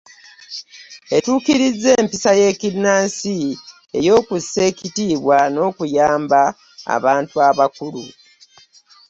Etuukiriza empisa y’ekinnansi ey’okussa ekitiibwa n’okuyamba abantu abakulu.